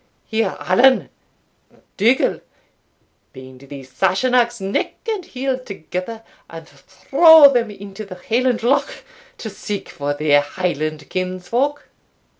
Here Allan Dougal bind these Sassenachs neck and heel together, and throw them into the Highland Loch to seek for their Highland kinsfolk."